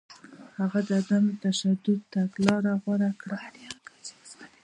هغه د عدم تشدد تګلاره غوره کړه.